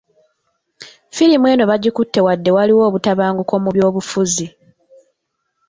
Firimu eno baagikutte wadde waliwo obutabanguko mu byobufuzi.